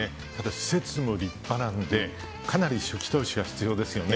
施設も立派なんで、かなり初期投資は必要ですよね。